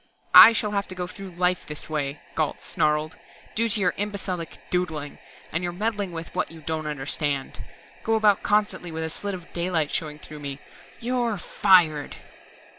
"I shall have to go through life this way," Gault snarled, "due to your imbecilic 'doodling', your meddling with what you don't understand. Go about constantly with a slit of daylight showing through me. _You're fired!